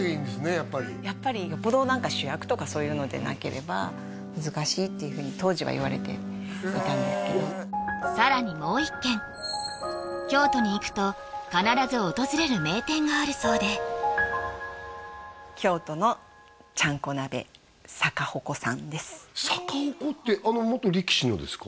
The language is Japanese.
やっぱりやっぱりよっぽどなんか主役とかそういうのでなければ難しいっていうふうに当時はいわれていたんですけどさらにもう一軒京都に行くと必ず訪れる名店があるそうで逆鉾ってあの元力士のですか？